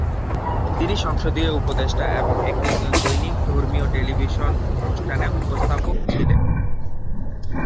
তিনি সংসদীয় উপদেষ্টা এবং একটি দৈনিক ধর্মীয় টেলিভিশন অনুষ্ঠানের উপস্থাপক ছিলেন।